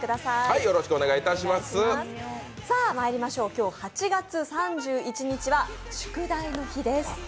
今日８月３１日は宿題の日です。